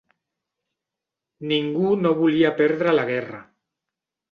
Ningú no volia perdre la guerra